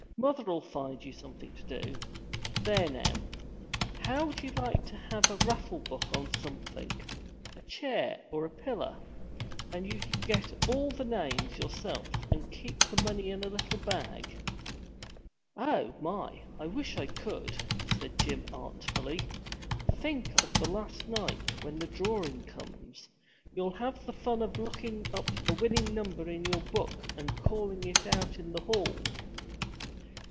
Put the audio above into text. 'Mother'll find you something to do. There now! How'd you like to have a raffle book on something a chair or a piller? And you could get all the names yourself, and keep the money in a little bag ' 'Oh, my! I wish I could!' said Jim artfully. 'Think of the last night, when the drawing comes! You'll have the fun of looking up the winning number in your book and calling it out in the hall.'